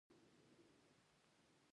او موږ به واسکټونه ورکول.